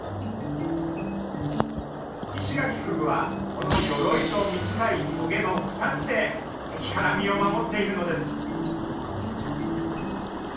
イシガキフグはこの鎧と短い棘の２つで敵から身を守っているのです。